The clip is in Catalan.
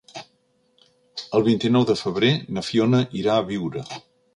El vint-i-nou de febrer na Fiona irà a Biure.